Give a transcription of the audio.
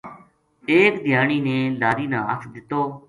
ایک دھیانی نے لاری نا ہتھ دِتو